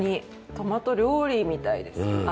トマト料理みたいです。